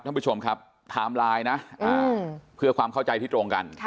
ท่านผู้ชมครับถามไลน์นะอืมเพื่อความเข้าใจที่ตรงกันค่ะ